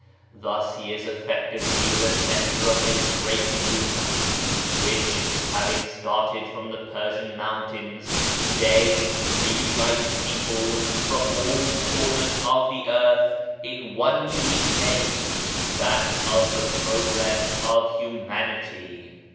Thus he is effectively the centre of this great movement, which, having started from 96 BAHAISM the Persian mountains, to day reunites people from all corners of the earth in one unique aim — that of the progress of humanity.